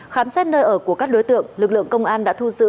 khám xét nơi ở của các đối tượng lực lượng công an đã thu giữ